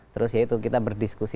terus ya itu kita berdiskusi